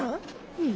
うん。